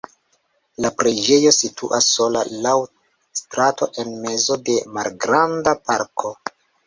La preĝejo situas sola laŭ strato en mezo de malgranda parko.